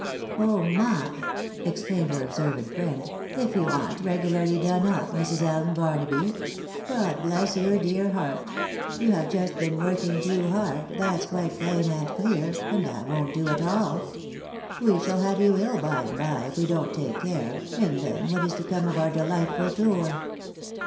"Oh my!" exclaimed her observant friend, "if you an't regularly done up, IMrs. Allen Barnaby! God bless your dear heart ! You have just been working too hard, that's quite plain and clear, and that won't do at all. We shall have you ill, by and by, if we don't take care, and then what is to come of our delight ful tour